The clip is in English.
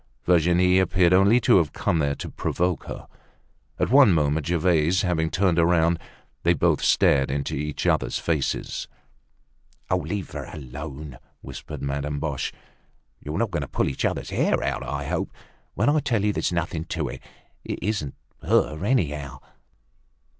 Virginie appeared only to have come there to provoke her. At one moment, Gervaise having turned around, they both stared into each other's faces. "Leave her alone," whispered Madame Boche. "You're not going to pull each other's hair out, I hope. When I tell you there's nothing to it! It isn't her, anyhow!"